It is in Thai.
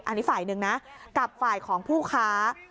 อันนี้ฝ่ายหนึ่งนะกับฝ่ายของผู้ค้า